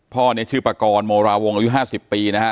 พ่อเนี่ยชื่อปากรโมราวงอายุ๕๐ปีนะฮะ